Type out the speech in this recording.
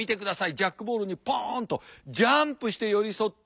ジャックボールにポンとジャンプして寄り添って。